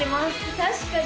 確かに！